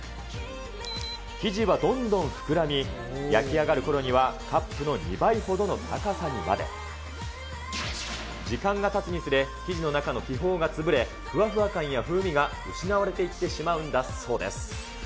生地はどんどん膨らみ、焼き上がるころには、カップの２倍ほどの高さにまで。時間がたつにつれ、生地の中の気泡が潰れ、ふわふわ感や風味が失われていってしまうんだそうです。